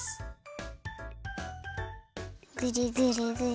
ぐるぐるぐる。